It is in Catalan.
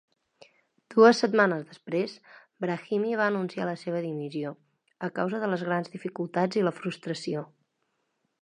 Dues setmanes després, Brahimi va anunciar la seva dimissió, a causa de les grans dificultats i la frustració.